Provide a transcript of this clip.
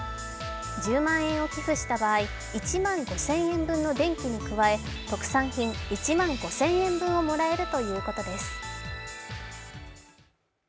１０万円を寄付した場合、１万５０００円分の電気に加え特産品１万５０００円分をもらえるということです。